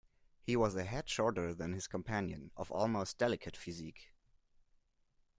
He was a head shorter than his companion, of almost delicate physique.